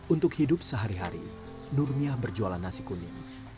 untuk hidup sehari hari nurmiah berjualan nasi kuning